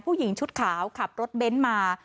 ผู้หญิงชุดขาวขับรถเบนท์มา